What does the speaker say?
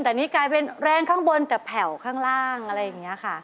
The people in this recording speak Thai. แต่นี่กลายเป็นแรงข้างบนแต่แผ่วข้างล่างอะไรอย่างนี้ค่ะ